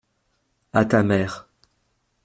À ta mère.